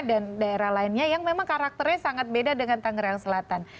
dan daerah lainnya yang memang karakternya sangat beda dengan tangerang selatan